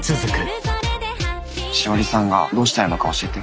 しおりさんがどうしたいのか教えて。